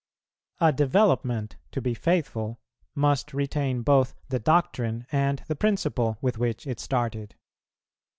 A development, to be faithful, must retain both the doctrine and the principle with which it started.